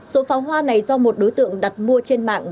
số pháo hoa này do một đối tượng đặt mua trên mạng